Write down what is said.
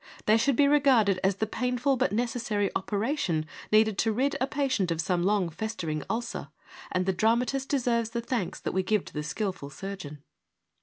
They should be regarded as the painful but necessary operation, needed to rid a patient of some long festering ulcer, and the dramatist deserves the thanks that we give to the skilful surgeon.